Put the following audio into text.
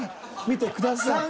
見てください。